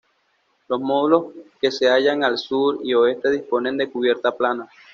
Los módulos que se hallan al sur y oeste disponen de cubierta plana.